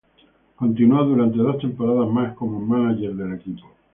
Continuó durante dos temporadas más como mánager del equipo.